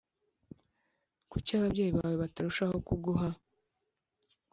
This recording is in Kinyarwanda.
Kuki ababyeyi bawe batarushaho kuguha